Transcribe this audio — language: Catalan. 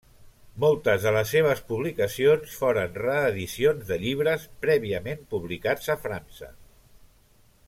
Moltes de les seves publicacions foren reedicions de llibres prèviament publicats a França.